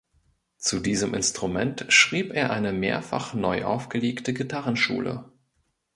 Zu diesem Instrument schrieb er eine mehrfach neu aufgelegte Gitarren-Schule.